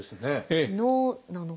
脳なのか。